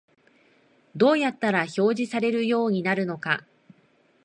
どうやったら表示されるようになるのか